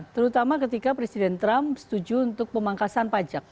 terutama ketika presiden trump setuju untuk pemangkasan pajak